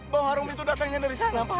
bahwa harum itu datangnya dari sana pak